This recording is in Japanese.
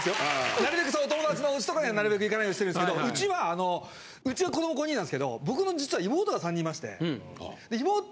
なるべくお友達のお家とかにはなるべく行かないようにしてるんですけどうちはうちは子ども５人なんですけど僕の実は妹が３人いまして。